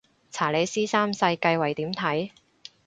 查理斯三世繼位點睇